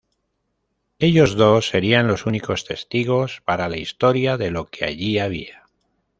Ellos dos serían los únicos testigos para la historia de lo que allí había...